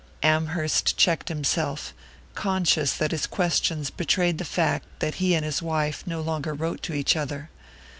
Amherst checked himself, conscious that his questions betrayed the fact that he and his wife no longer wrote to each other.